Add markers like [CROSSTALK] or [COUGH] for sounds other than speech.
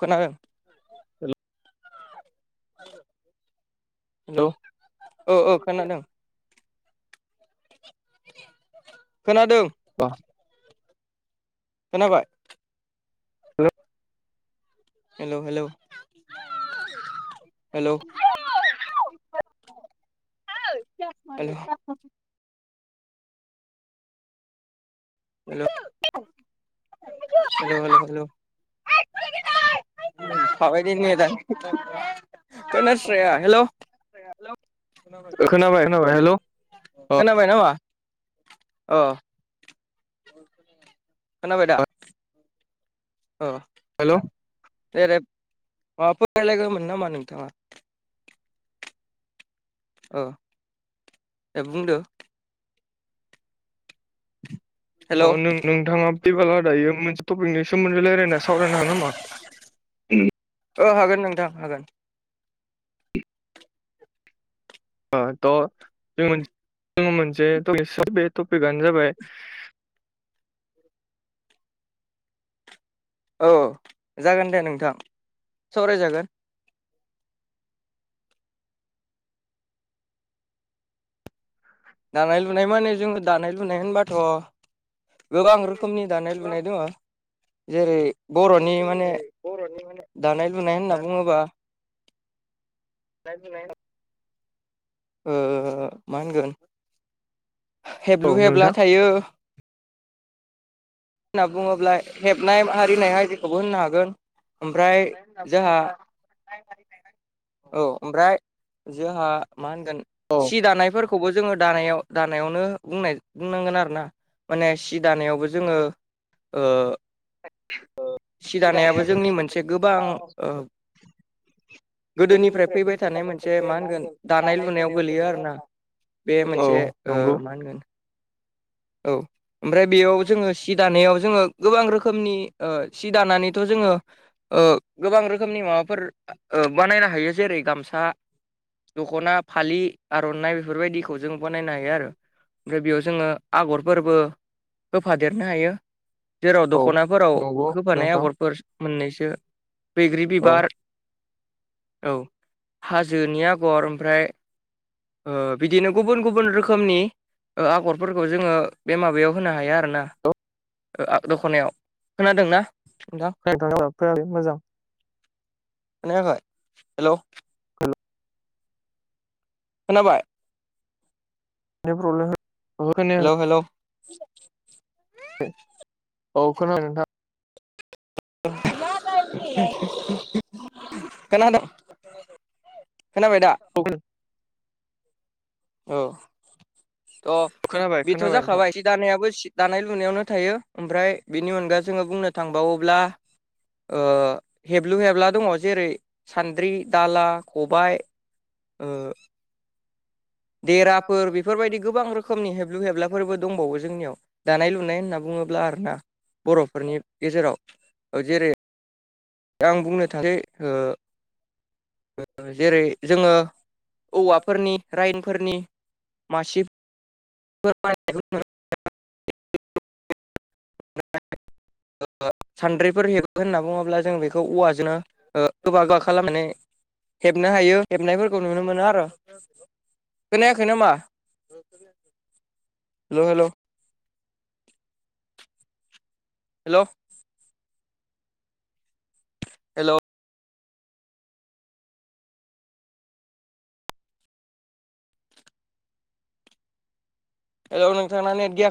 खोनादों। हेलौ' औ औ खोनादोंं। खोनादों। खोनाबाय हेल' हेल' [UNINTELLIGIBLE] hello [INAUDIBLE] [UNINTELLIGIBLE] hello ' [UNINTELLIGIBLE] hello hello hello [INAUDIBLE] खोनास्राया hello खोनाबाय खोनाबाय हेलौ' खोनाबाय नामा? औ। खोनाबायदा? ओ हेलौ' [UNINTELLIGIBLE] माबाफोर रायलायगोमोन नामा नोंथाङा? औ दे बुंदों। [INAUDIBLE] अ नों नोंथाङा फ्रिबोला दायो मोनसे टपिकनि सोमोन्दै रायलायना सावरायनो हागोन नामा? ओम औ हागोन नोंथां हागोन। अ द जों मोन जोङो मोनसे टपिक [INAUDIBLE] बे टपिकआनो जाबाय। औ जागोन दे नोंथां सावरायजागोन। दानाय लुनाय माने जोङो दानाय लुनाय होनबाथ' गोबां रोखोमनि दानाय लुनाय दोङो जेरै- बर'नि माने दानाय लुनाय होनना बुङोबा। [UNINTELLIGIBLE] ओ मा होनगोन हेब्लु हेबब्ला थायो। होनना बुङोब्ला हेबनाय आरिनाय हारिखौबो होननो हागोन। [UNINTELLIGIBLE] औ ओमफ्राय जोंहा मा होनगोन सि दानायफोरखौ खौबो जोङो दानायाव दानायावनो बुंनाय बुंनांगोन आरो ना माने सि दानायावबो जोङो ओ सि दानायाबो जोंनि मोनसे गोबां ओ गोदोनिफ्राय फैबाय थानाय मोनसे मा होनगोन दानाय लुनायाव गोलैयो आरोना। बे मोनसे ओ मा होनगोन? औ ओमफ्राय बियाव जोङो सि दानायाव जोङो गोबां रोखोमनि ओ सि दानानैथ' जोङो ओ गोबां रोखोमनि माबाफोर ओ बानायनो हायो जेरै गामसा दख'ना फालि आर'नाइ बेफोर बायदिखौ जों बानायनो हायो आरो ओमफ्राय बियाव जोङो आगरफोरबो होफादेरनो हायो। जेराव दख'नाफोराव होफानाय आगरफोर मोननैसो बैग्रि बिबार औ हाजोनि आगर ओमफ्राय ओ बिदिनो गुबुन गुबुन रोखोमनि ओ आगरफोरखौ जोङो बे माबायाव होनो हाया आरोना। ओ आ दख'नायाव खोनादोंना? [INAUDIBLE] फैयाखै मोजां खानाखोखै? हेल' खोनाबाय [INAUDIBLE] प्रब्लेम हो [INAUDIBLE] खोनायाखै। [INAUDIBLE] अ खोनादों नोंथां। [UNINTELLIGIBLE] खोनादों खोनाबाय दा? औ थ' बेथ' जाखाबाय सि दानायाबो दानाय लुनायावनो थायो ओमफ्राय बेनि अनगा जोङो बुंनो थांबावोब्ला ओ हेबलु हेबला दङ जेरै सान्द्रि दाला खबाय देराफोर बेफोरबायदि गोबां रोखोमनि हेबलु हेबलाफोरबो दंबावो जोंनियाव। दानाय लुनाय होनना बुङोब्ला आरोना बर'फोरनि गेजेराव जेरै आं बुंनो थाखै ओ जेरै जोङो औवाफोरनि राइनफोरनि मासे [UNINTELLIGIBLE] [INAUDIBLE] [INAUDIBLE] सान्द्रिफोर हेबनाय होनना बुङोब्ला जों बेखौ औवाजोंनो ओ गोबा गोबा खालामनानै हेबनो हायो हेबनायफोरखौ नुनो मोनो आरो। खोनायाखै नामा? हेल' हेल' हेल' हेलौ नोंथाङा नेद गैया।